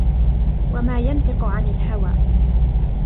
وما ينطق عن الهوى